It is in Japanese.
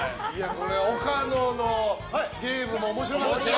岡野のゲームも面白かったね。